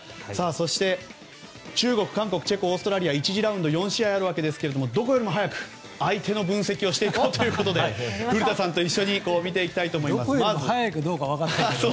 そして、中国、韓国、チェコオーストラリアと１次ラウンドは４試合ありますがどこよりも早く相手の分析をしていこうということで古田さんと一緒に見ていきたいと思います。